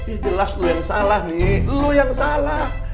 ih jelas lo yang salah nih lo yang salah